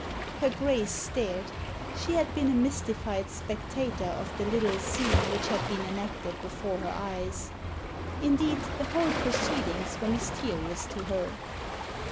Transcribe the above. Her Grace stared. She had been a mystified spectator of the little scene which had been enacted before her eyes. Indeed, the whole proceedings were mysterious to her.